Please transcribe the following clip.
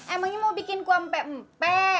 emangnya mau bikin kuampe mpe